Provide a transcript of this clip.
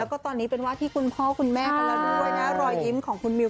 แล้วก็ตอนนี้เป็นว่าที่คุณพ่อคุณแม่รอยยิ้มของคุณมิว